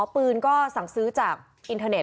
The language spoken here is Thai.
ปืนก็สั่งซื้อจากอินเทอร์เน็